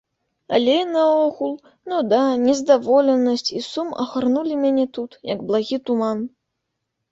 Але, наогул, нуда, нездаволенасць і сум агарнулі мяне тут, як благі туман.